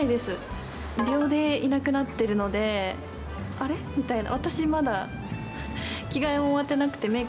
あれ？みたいな。